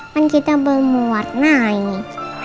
kan kita belum muat naik